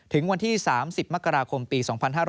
ถึงวันที่๓๐มกราคมปี๒๕๕๙